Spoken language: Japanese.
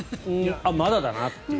んー、まだだなっていう。